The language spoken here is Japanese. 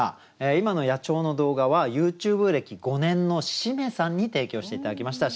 今の野鳥の動画はＹｏｕＴｕｂｅ歴５年のしめさんに提供して頂きました。